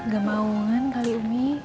gak mau kan kali umi